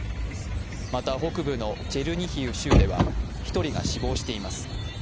また北部のチェルニヒウ州では１人が死亡しています。